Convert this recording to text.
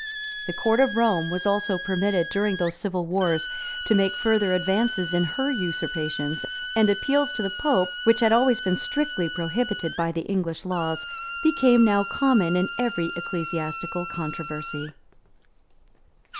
The court of Rome was also permitted, during those civil wars, to make further advances in her usurpations; and appeals to the pope, which had always been strictly prohibited by the English laws, became now common in every ecclesiastical controversy.